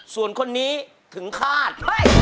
ส่วนคนนี้ถึงคาด